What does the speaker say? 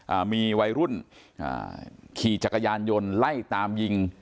อ่ามีวัยรุ่นอ่าขี่จักรยานยนต์ไล่ตามยิง